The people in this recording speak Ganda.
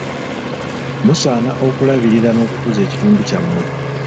Musaana okulabirira n'okukuza ekitundu kyammwe.